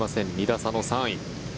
２打差の３位。